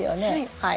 はい。